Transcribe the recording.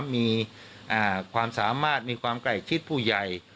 มีความสามารถมีความใกล้ชิดผู้ใหญ่